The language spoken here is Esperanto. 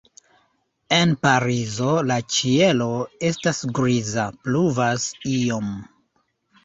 En Parizo la ĉielo estas griza, pluvas iom.